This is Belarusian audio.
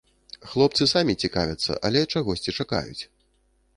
Хлопцы самі цікавяцца, але чагосьці чакаюць.